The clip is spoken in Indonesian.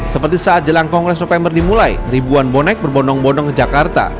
seperti saat jelang kongres november dimulai ribuan bonek berbondong bondong ke jakarta